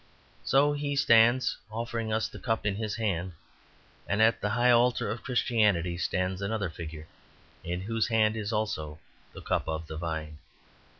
So he stands offering us the cup in his hand. And at the high altar of Christianity stands another figure, in whose hand also is the cup of the vine.